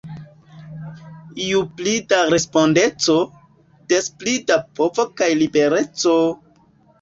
Ju pli da respondeco, des pli da povo kaj libereco!